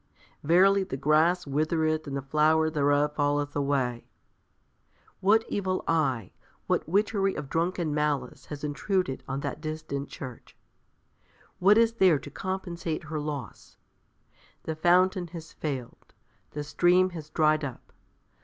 "Verily the grass withereth and the flower thereof falleth away20752075 1 Pet. i. 24; Is. xl. 8.." What evil eye, what witchery of drunken malice has intruded on that distant Church? What is there to compensate her loss? The fountain has failed. The stream has dried up.